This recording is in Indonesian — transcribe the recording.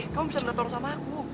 kamu gak terlalu sama aku